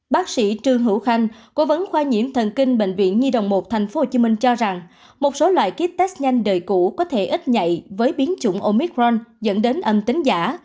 bác sĩ trương hữu khanh cố vấn khoa nhiễm thần kinh bệnh viện nhi đồng một tp hcm cho rằng một số loại kit test nhanh đời cũ có thể ít nhạy với biến chủng omicron dẫn đến âm tính giả